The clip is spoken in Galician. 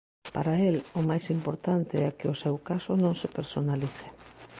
Para el, o máis importante é que o seu caso non se personalice.